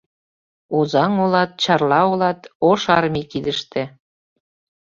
Озаҥ олат, Чарла олат ош армий кидыште.